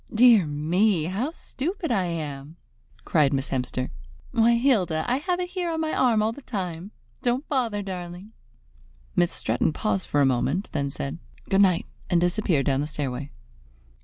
"Dear me, how stupid I am!" cried Miss Hemster, "Why, Hilda, I have it here on my arm all the time! Don't bother, darling!" Miss Stretton paused for a moment, then said, "Good night!" and disappeared down the stairway.